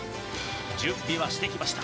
準備はしてきました。